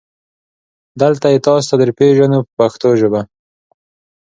دلته یې تاسو ته درپېژنو په پښتو ژبه.